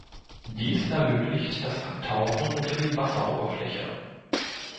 Dies ermöglicht das Abtauchen unter die Wasseroberfläche.